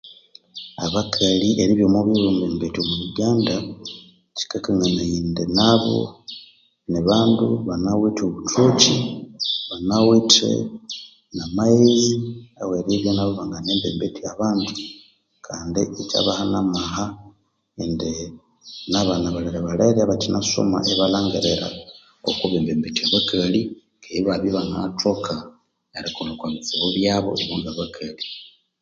Abakali eribya omwe ebyo bwembembethya omwa Uganda, kyikanganaya indi nabo nibandu banawithe obuthoki, banawithe na maghezi aweribya nabo ibangana mbembethya abandu, kandi ikyabaha n'amaha indi nabana abalerebalere abakyinasoma ibalhangirira okwa abembembetya abakali, keghe ibabya ibanganathoka erikolha okwa bitsibu byabo ibo nga abakali.